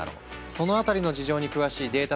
その辺りの事情に詳しいデータ